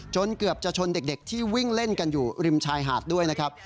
เกือบจะชนเด็กที่วิ่งเล่นกันอยู่ริมชายหาดด้วยนะครับ